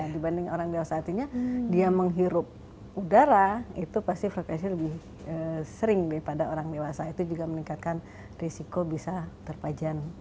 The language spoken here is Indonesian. dibanding orang dewasa artinya dia menghirup udara itu pasti frekuensinya lebih sering daripada orang dewasa itu juga meningkatkan risiko bisa terpajan